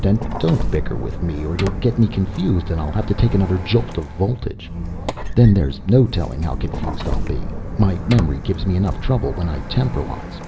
And don't bicker with me or you'll get me confused and I'll have to take another jolt of voltage. Then there's no telling how confused I'll be. My memory gives me enough trouble when I temporalize.